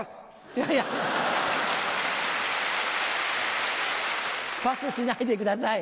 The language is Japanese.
いやいや！パスしないでください。